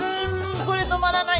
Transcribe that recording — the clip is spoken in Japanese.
これ止まらない！